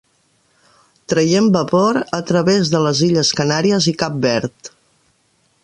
Traient vapor a través de les illes Canàries i Cap Verd.